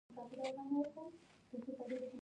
کلونه وړاندې هنري فورډ يوه مهمه پرېکړه وکړه.